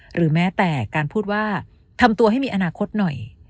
หรือแม้แต่การพูดว่าทำตัวให้มีอนาคตหน่อย